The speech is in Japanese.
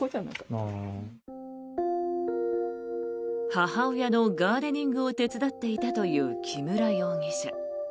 母親のガーデニングを手伝っていたという木村容疑者。